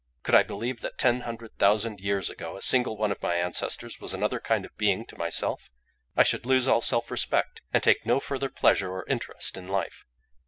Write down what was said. Could I believe that ten hundred thousand years ago a single one of my ancestors was another kind of being to myself, I should lose all self respect, and take no further pleasure or interest in life.